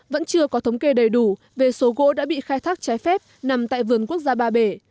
vẫn chưa có thống kê đầy đủ về số gỗ đã bị khai thác trái phép nằm tại vườn quốc gia ba bể